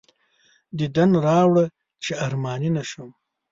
دیدن راوړه چې ارماني نه شم.